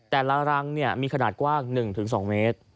รังมีขนาดกว้าง๑๒เมตร